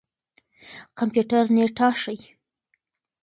کمپيوټر نېټه ښيي.